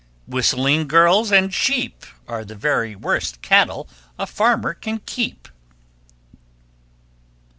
_ 1336. Whistling girls and sheep Are the very worst cattle a farmer can keep.